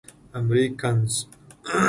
امريکنز.